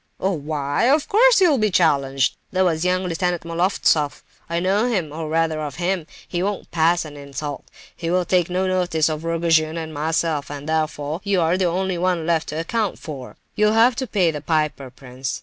"Oh, why?—Of course you'll be challenged! That was young Lieutenant Moloftsoff. I know him, or rather of him; he won't pass an insult. He will take no notice of Rogojin and myself, and, therefore, you are the only one left to account for. You'll have to pay the piper, prince.